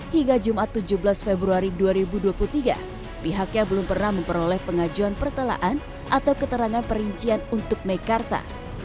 hingga jumat tujuh belas februari dua ribu dua puluh tiga pihaknya belum pernah memperoleh pengajuan pertelaan atau keterangan perincian untuk mekarta